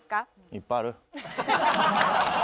いっぱいある。